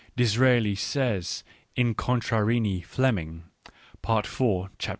Disraeli says in Contarini Flem ing (Part iv. chap, v.)